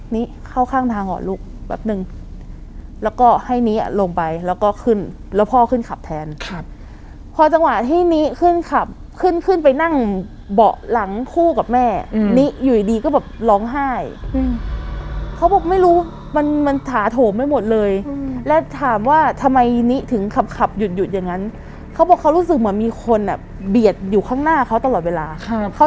นี่เข้าข้างทางเหรอลูกแป๊บนึงแล้วก็ให้นิอ่ะลงไปแล้วก็ขึ้นแล้วพ่อขึ้นขับแทนครับพอจังหวะที่นิขึ้นขับขึ้นขึ้นไปนั่งเบาะหลังคู่กับแม่นิอยู่ดีก็แบบร้องไห้เขาบอกไม่รู้มันมันถาโถมไปหมดเลยแล้วถามว่าทำไมนิถึงขับขับหยุดหยุดอย่างนั้นเขาบอกเขารู้สึกเหมือนมีคนอ่ะเบียดอยู่ข้างหน้าเขาตลอดเวลาครับเขา